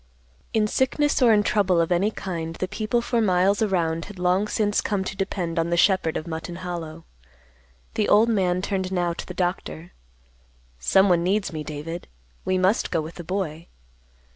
In sickness or in trouble of any kind the people for miles around had long since come to depend upon the shepherd of Mutton Hollow. The old man turned now to the doctor. "Someone needs me, David. We must go with the boy."